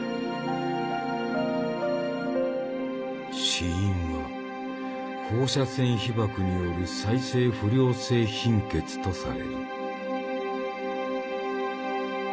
死因は放射線被ばくによる再生不良性貧血とされる。